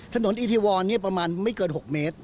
ถนนอีเทวอนนี่ประมาณไม่เกิน๖เมตร